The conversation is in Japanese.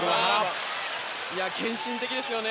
献身的ですよね